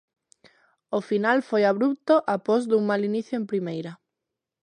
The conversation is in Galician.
O final foi abrupto após dun mal inicio en Primeira.